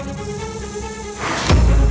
aku mau ke rumah